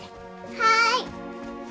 はい！